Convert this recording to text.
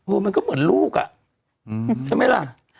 มันก็เหมือนลูกอ่ะใช่ไหมล่ะ